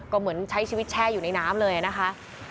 ก็เหมือนใช้ชีวิตแช่อยู่ในน้ำเลยนะคะ